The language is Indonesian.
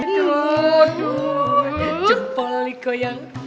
aduh jempol nih goyang